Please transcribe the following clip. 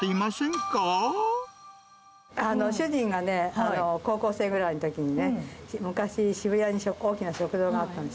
主人がね、高校生ぐらいのときにね、昔、渋谷に大きな食堂があったんです。